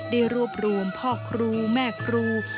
ได้รวบรวมพ่อครูแม่ครู